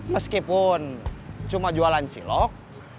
meskipun cuma jualan cilok